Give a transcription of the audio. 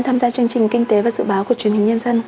tham gia chương trình kinh tế và dự báo của truyền hình nhân dân